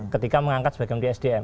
ketika mengangkat sebagai menteri sdm